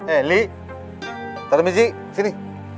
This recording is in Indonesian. eh li tademi ji sini